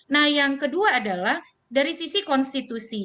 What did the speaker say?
nah yang kedua adalah dari sisi konstitusi